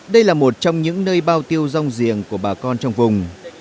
đây là một trong những nơi bao tiêu rong giềng của bà con trong vùng